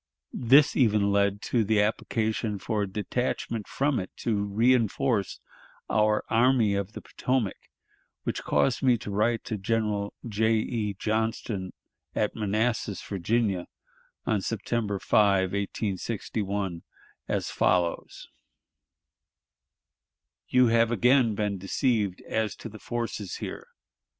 This even led to the application for a detachment from it to reënforce our Army of the Potomac, which caused me to write to General J. E. Johnston at Manassas, Virginia, on September 5, 1861, as follows: "You have again been deceived as to the forces here.